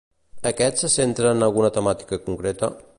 Aquest se centra en alguna temàtica concreta?